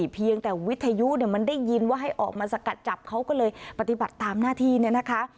เพียงแต่วิทยุเนี่ยมันได้ยินว่าให้ออกมาสกัดจับเขาก็เลยปฏิบัติตามหน้าที่เนี่ยนะคะ